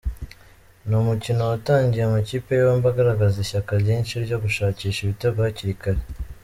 Ni umukino watangiye amakipe yombi agaragaza ishyaka ryinshi ryo gushakisha ibitego hakiri kare.